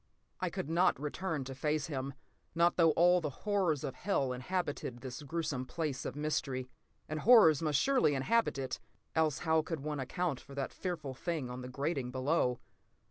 I could not return to face him, not though all the horrors of hell inhabited this gruesome place of mystery. And horrors must surely inhabit it, else how could one account for that fearful thing on the grating below?